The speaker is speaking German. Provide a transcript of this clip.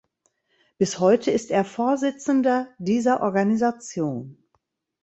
Bis heute ist er Vorsitzender dieser Organisation.